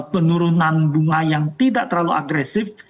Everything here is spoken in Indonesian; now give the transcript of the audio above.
penurunan bunga yang tidak terlalu agresif